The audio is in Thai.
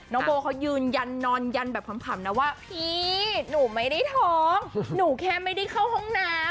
โบเขายืนยันนอนยันแบบขำนะว่าพี่หนูไม่ได้ท้องหนูแค่ไม่ได้เข้าห้องน้ำ